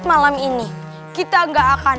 buat malam ini kita nggak akan